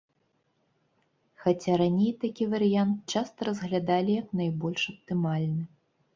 Хаця раней такі варыянт часта разглядалі як найбольш аптымальны.